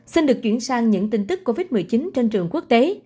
xin được chuyển sang những tin tức covid một mươi chín trên trường quốc tế